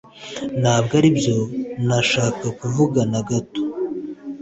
Ntabwo aribyo nashakaga kuvuga na gato. "